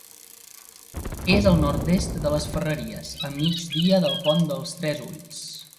És al nord-est de les Ferreries, a migdia del Pont dels Tres Ulls.